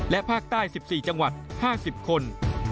และภาคใต้๑๔จังหวัด๕๐คน